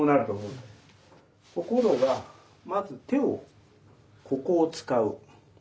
ところがまず手をここを使う。